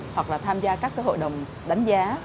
hoặc là tham gia các hội đồng đánh giá